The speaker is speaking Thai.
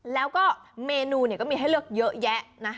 แล้วก็เมนูก็มีให้เลือกเยอะแยะนะ